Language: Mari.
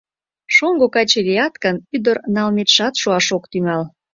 Шоҥго каче лият гын, ӱдыр налметшат шуаш ок тӱҥал.